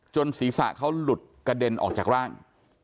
ศีรษะเขาหลุดกระเด็นออกจากร่าง